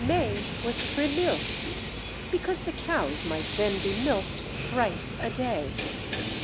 May was Thrimylce, because the cows might then be milked thrice a day.